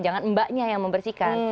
jangan mbaknya yang membersihkan